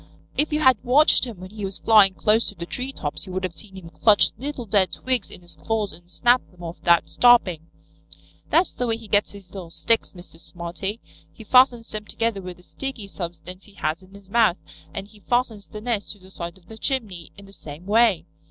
"If you had watched him when he was flying close to the tree tops you would have seen him clutch little dead twigs in his claws and snap them off without stopping. That's the way he gets his little sticks, Mr. Smarty, He fastens them together with a sticky substance he has in his mouth, and he fastens the nest to the side of the chimney in the same way.